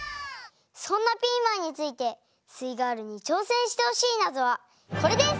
そんなピーマンについてすイガールに挑戦してほしいナゾはこれです！